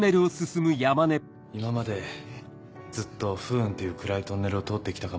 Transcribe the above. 今までずっと「不運」っていう暗いトンネルを通って来たかもしれない。